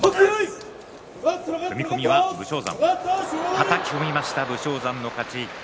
はたき込みました武将山の勝ち。